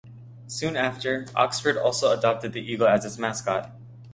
Soon after, Oxford also adopted the eagle as its mascot.